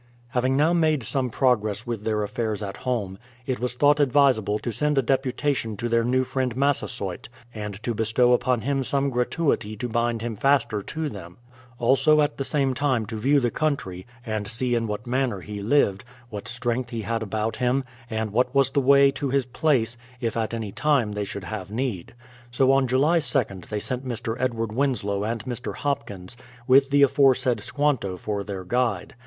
Having now made some progress with their affairs at home, it was thought advisable to send a deputation to their new friend Massasoyt, and to bestow upon him some gratuity to bind him faster to them; also at the same time to view the country, and see in what manner he lived, what strength he had about him, and what was the way to his place, if at any time they should have need. So on July 2nd they sent Mr. Edward Winslow and Mr. Hopkins, with the aforesaid Squanto for their guide.